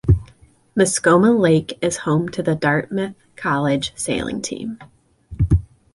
Mascoma Lake is home to the Dartmouth College sailing team.